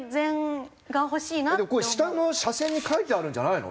これ下の車線に書いてあるんじゃないの？